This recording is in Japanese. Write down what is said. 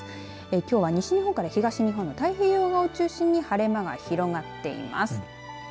きょうは西日本から東日本太平洋側を中心に晴れ間が広がっています。